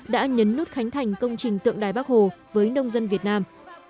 đã nhấn nút khánh thành công trình tượng đài bắc hồ với nông dân việt nam